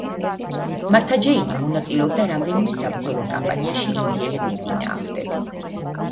მართა ჯეინი მონაწილეობდა რამდენიმე საბრძოლო კამპანიაში ინდიელების წინააღმდეგ.